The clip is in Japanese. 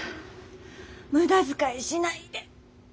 無駄遣いしないで。